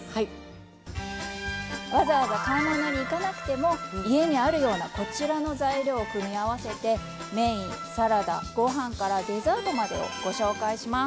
わざわざ買い物に行かなくても家にあるようなこちらの材料を組み合わせてメインサラダご飯からデザートまでをご紹介します。